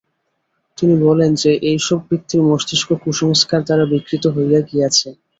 তিনি বলেন যে, এইসব ব্যক্তির মস্তিষ্ক কুসংস্কার দ্বারা বিকৃত হইয়া গিয়াছে।